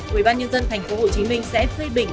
quy bán nhân dân tp hcm sẽ phê bình